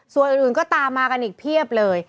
ส่วนอื่นก็ตามมากันอีกเพียบเลย